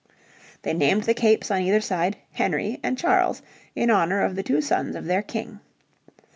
They named the capes on either side Henry and Charles, in honour of the two sons of their King.